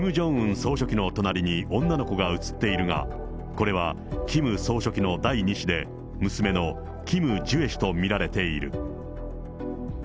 総書記の隣に女の子が写っているが、これはキム総書記の第２子で、娘のキム・ジュエ氏と見られている。